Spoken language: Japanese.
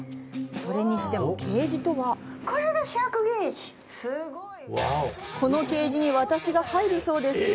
それにしても、ケージとはこのケージに私が入るそうです！